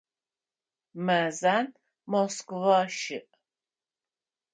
Мэзан Москва щыӏ.